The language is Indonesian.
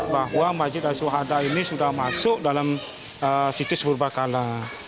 bahwa masjid ashwada ini sudah masuk dalam situs berubah kalah